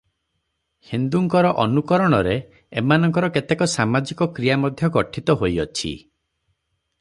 ହିନ୍ଦୁଙ୍କର ଅନୁକରଣରେ ଏମାନଙ୍କର କେତେକ ସାମାଜିକ କ୍ରିୟା ମଧ୍ୟ ଗଠିତ ହୋଇଅଛି ।